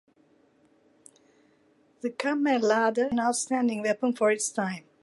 The "kammerlader" is often claimed to be an outstanding weapon for its time.